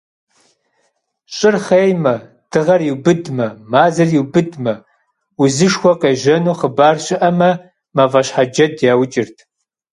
Щӏыр хъеймэ, дыгъэр иубыдмэ, мазэр иубыдмэ, узышхуэ къежьэну хъыбар щыӏэмэ, мафӏэщхьэджэд яукӏырт.